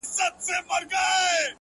راباندي گرانه خو يې!!